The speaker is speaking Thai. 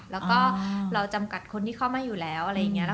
แล้วก็เราจำกัดคนที่เข้ามาอยู่แล้ว